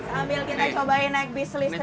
sambil kita cobain naik bis listrik